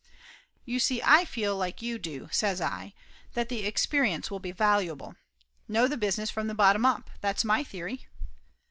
"You see I feel like you do," says I; "that the ex perience will be valuable. Know the business from the bottom up. That's my theory."